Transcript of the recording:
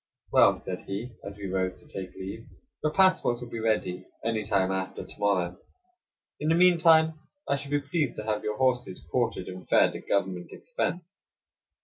"Well," said he, as we rose to take leave, "your passports will be ready any time after to morrow; in the mean time I shall be pleased to have your horses quartered and fed at government expense."